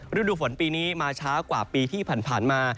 ฤดูฝนปีนี้มาช้ากว่าปีที่ผ่านมา